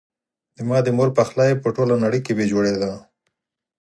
زما د مور پخلی په ټوله نړۍ کې بي جوړي ده